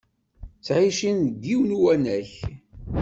Ttεicen deg yiwen uwanek.